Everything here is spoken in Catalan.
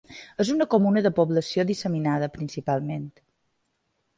És una comuna de població disseminada, principalment.